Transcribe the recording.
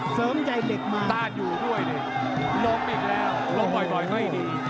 เสริมใยเหล็กมาต้านอยู่ด้วยนี่ล้มอีกแล้วล้มบ่อยไม่ดี